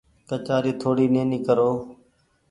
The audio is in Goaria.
ڪچآري ٿوڙي نيني ڪرو۔